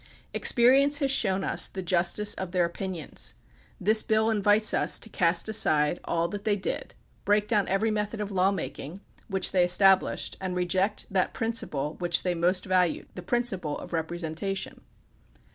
Experience has shown us the justice of their opin ions. This bill invites us to cast aside all that they THE PUBLIC OPINION BILL 31 did, break down every method of lawmaking which they estabhshed, and reject that principle which they most valued — the principle of representation.